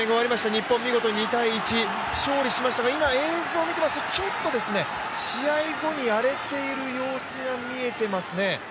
日本見事に２−１、勝利しましたが、今映像を見ていますと、試合後に荒れている様子が見えていますね。